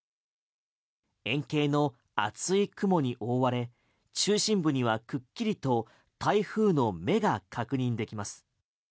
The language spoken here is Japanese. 円形の厚い雲に覆われ中心部にはくっきりと台風の目が確認できます。